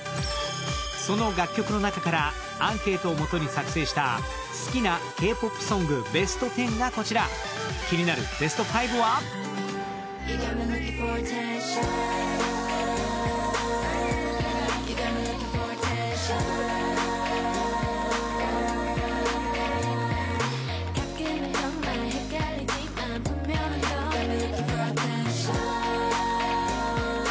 その楽曲の中からアンケートをもとに作成した好きなＫ−ＰＯＰソングベスト１０がこちら気になるベスト５は「ダイアモンドだね」